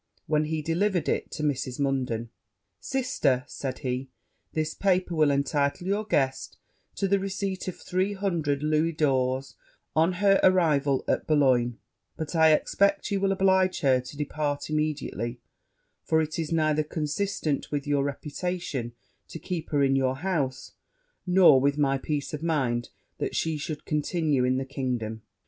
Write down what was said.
When he delivered it to Mrs. Munden 'Sister,' said he, 'this paper will entitle your guest to the receipt of three hundred louis d'ors on her arrival at Bologne: but I expect you will oblige her to depart immediately; for it is neither consistent with your reputation to keep her in your house, nor with my peace of mind that she should continue in the kingdom.'